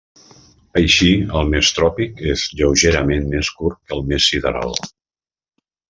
Així el mes tròpic és lleugerament més curt que el mes sideral.